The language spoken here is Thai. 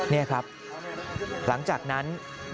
นี่ครับหลังจากนั้น